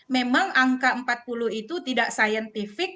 memang angka empat puluh itu tidak scientific